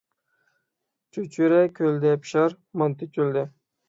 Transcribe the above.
چۆچۈرە كۆلدە پىشار، مانتا چۆلدە